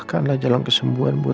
kemana ya papa emangnya